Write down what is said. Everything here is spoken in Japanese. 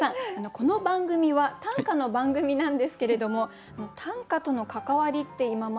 この番組は短歌の番組なんですけれども短歌との関わりって今までございましたか？